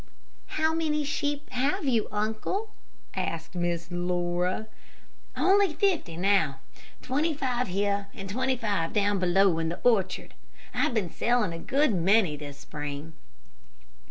"How many sheep have you, uncle?" asked Miss Laura. "Only fifty, now. Twenty five here and twenty five down below in the orchard. I've been selling a good many this spring."